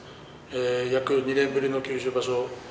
約２年ぶりの九州場所。